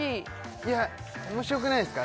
いや面白くないですか？